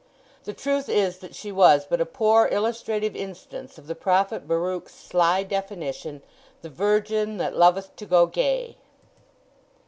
The truth is that she was but a poor illustrative instance of the prophet Baruch's sly definition: "The virgin that loveth to go gay."